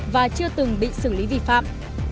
và chưa từng bị xử lý vi phạm